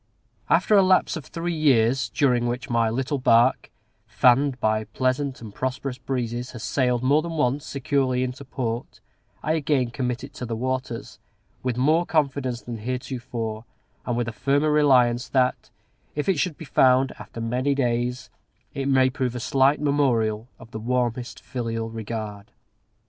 After a lapse of three years, during which my little bark, fanned by pleasant and prosperous breezes, has sailed, more than once, securely into port, I again commit it to the waters, with more confidence than heretofore, and with a firmer reliance that, if it should be found "after many days," it may prove a slight memorial of the warmest filial regard.